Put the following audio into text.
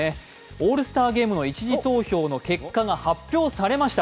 オールスターゲームの１次投票の結果が発表されました。